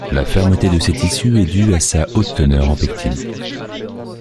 La fermeté de ses tissus est due à sa haute teneur en pectine.